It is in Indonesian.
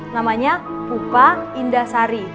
namanya pupa indasari